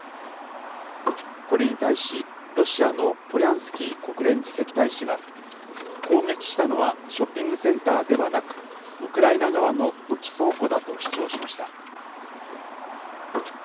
これに対し、ロシアのポリャンスキー国連次席大使は、攻撃したのはショッピングセンターではなく、ウクライナ側の武器倉庫だと主張しました。